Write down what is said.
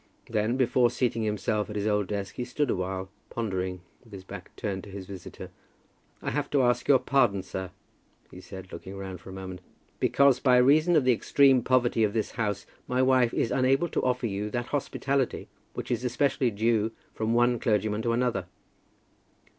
Then, before seating himself at his old desk, he stood awhile, pondering, with his back turned to his visitor. "I have to ask your pardon, sir," said he, looking round for a moment, "because, by reason of the extreme poverty of this house, my wife is unable to offer to you that hospitality which is especially due from one clergyman to another."